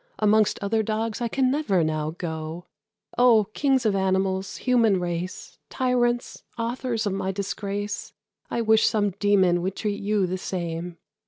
Amongst other dogs I can never now go! Oh, kings of animals, human race! Tyrants, authors of my disgrace! I wish some demon would treat you the same!"